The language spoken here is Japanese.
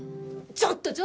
ちょっとちょっと！